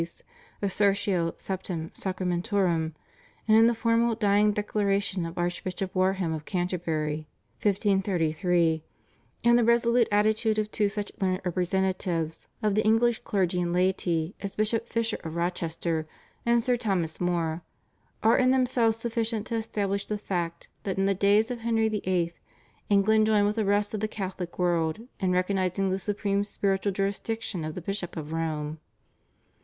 's /Assertio Septem Sacramentorum/, and in the formal dying declaration of Archbishop Warham of Canterbury (1533), and the resolute attitude of two such learned representatives of the English clergy and laity as Bishop Fisher of Rochester and Sir Thomas More, are in themselves sufficient to establish the fact that in the days of Henry VIII. England joined with the rest of the Catholic world in recognising the supreme spiritual jurisdiction of the Bishop of Rome.